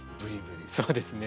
そうですね。